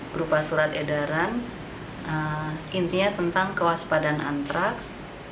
berupa surat edaran intinya tentang kewaspadaan antraks